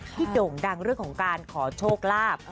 โด่งดังเรื่องของการขอโชคลาภ